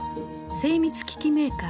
精密機器メーカー